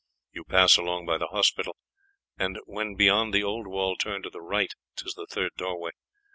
You pass along by the hospital, and when beyond the old wall turn to the right; 'tis the third doorway.